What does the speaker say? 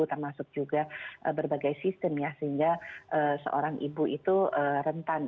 termasuk juga berbagai sistem ya sehingga seorang ibu itu rentan